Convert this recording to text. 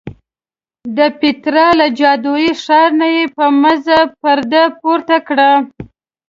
د پیترا له جادویي ښار نه یې په مزه پرده پورته کړه.